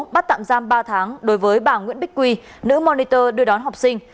bắt tạm giam ba tháng đối với bà nguyễn bích quy nữ moniter đưa đón học sinh